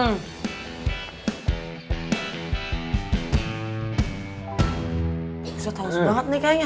usah taus banget nih kayaknya